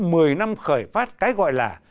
mười năm khởi phát cái gọi là